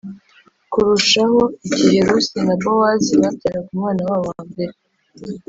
kurushaho igihe Rusi na Bowazi babyaraga umwana wabo wa mbere